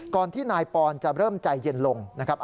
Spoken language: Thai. ที่นายปอนจะเริ่มใจเย็นลงนะครับ